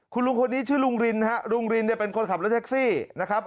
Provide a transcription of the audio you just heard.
คุณลุงคนนี้ชื่อลุงรินฮะลุงรินเนี่ยเป็นคนขับรถแท็กซี่นะครับ